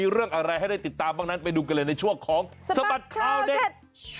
เรื่องอะไรให้ได้ติดตามบ้างนั้นไปดูกันเลยในช่วงของสบัดข่าวเด็ด